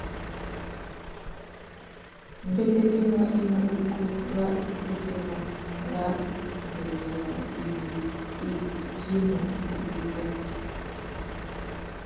Mbétékénô i mú ukú râ itékénô râ ngüéngüinô iwí i djuêmú itéka.